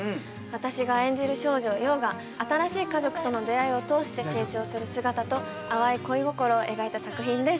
私が演じる少女陽が新しい家族との出会いを通して成長する姿と淡い恋心を描いた作品です